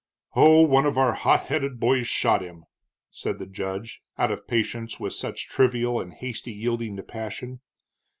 "Oh, one of our hot headed boys shot him," said the judge, out of patience with such trivial and hasty yielding to passion.